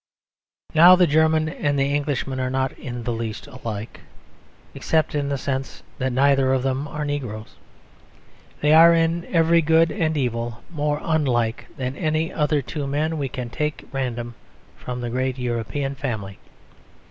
Now the German and the Englishman are not in the least alike except in the sense that neither of them are negroes. They are, in everything good and evil, more unlike than any other two men we can take at random from the great European family.